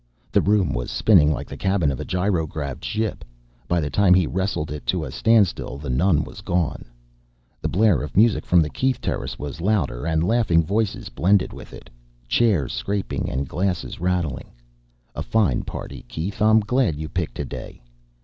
The room was spinning like the cabin of a gyro gravved ship. By the time he wrestled it to a standstill, the nun was gone. The blare of music from the Keith terrace was louder, and laughing voices blended with it. Chairs scraping and glasses rattling. A fine party, Keith, I'm glad you picked today.